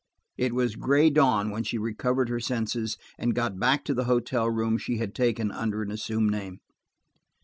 It was gray dawn when she recovered her senses and got back to the hotel room she had taken under an assumed name.